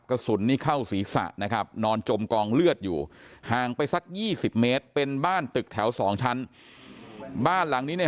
กระสุนนี่เข้าศีรษะนะครับนอนจมกองเลือดอยู่ห่างไปสัก๒๐เมตรเป็นบ้านตึกแถว๒ชั้นบ้านหลังนี้เนี่ย